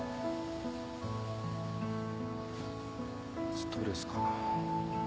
ストレスかな。